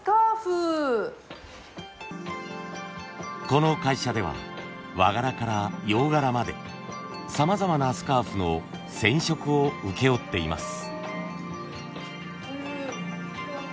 この会社では和柄から洋柄までさまざまなスカーフの染色を請け負っています。